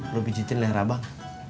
lo bijitin lehera bang